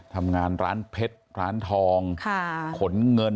ทำงานร้านเพชรร้านทองขนเงิน